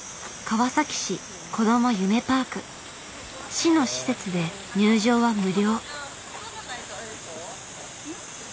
市の施設で入場は無料。